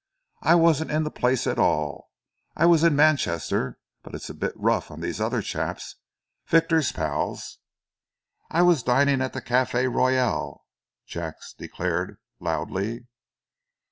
"I wasn't in the place at all, I was in Manchester, but it's a bit rough on these other chaps, Victor's pals." "I was dining at the Cafe Royal," Jacks declared, loudly.